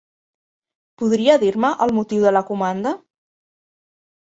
Podria dir-me el motiu de la comanda?